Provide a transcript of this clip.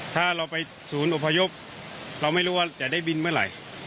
ถ้าเราไปศูนย์อพยพเราไม่รู้ว่าจะได้บินเมื่อไหร่